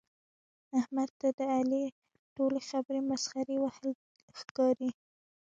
احمد ته د علي ټولې خبرې مسخرې وهل ښکاري.